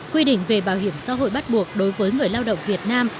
quy định về bảo hiểm xã hội bắt buộc đối với người lao động việt nam